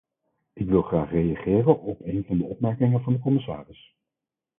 Ik wil graag reageren op een van de opmerkingen van de commissaris.